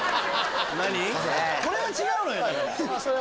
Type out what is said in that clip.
これは違うのよ。